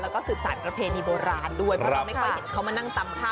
แล้วก็สืบสารประเพณีโบราณด้วยเพราะเราไม่ค่อยเห็นเขามานั่งตำข้าว